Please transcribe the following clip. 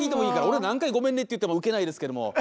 俺何回「ごめんね」って言っても受けないですけども。